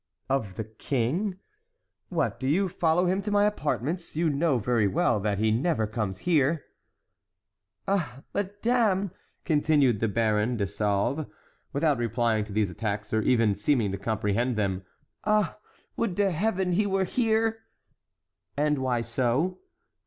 "Of the king? What, do you follow him to my apartments? You know very well that he never comes here." "Ah, madame!" continued the Baronne de Sauve, without replying to these attacks, or even seeming to comprehend them, "ah, would to Heaven he were here!" "And why so?"